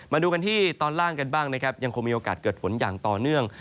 มาดูกันที่ตอนล่างกันบ้างนะครับยังคงมีโอกาสเกิดฝนอย่างต่อเนื่อง